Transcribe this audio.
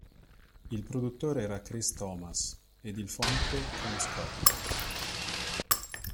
Il produttore era Chris Thomas, ed il fonico Ken Scott.